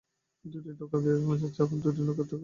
দুটি টোকা দিয়ে থেমে যাচ্ছে, আবার দুটি টোকা দিচ্ছে।